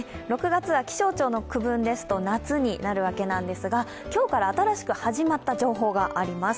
６月は気象庁の区分ですと夏になるわけですが今日から新しく始まった情報があります。